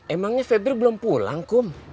emangnya febri belum pulang